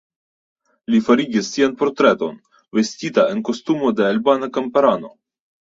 Li farigis sian portreton, vestita en kostumo de albana kamparano.